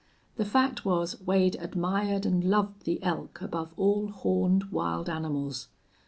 The fact was Wade admired and loved the elk above all horned wild animals.